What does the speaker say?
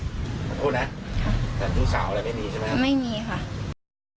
ขอโทษนะค่ะแต่ชู้สาวอะไรไม่มีใช่ไหมครับไม่มีค่ะ